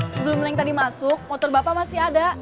sebelum link tadi masuk motor bapak masih ada